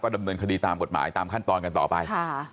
บอกแล้วบอกแล้วบอกแล้วบอกแล้วบอกแล้วบอกแล้ว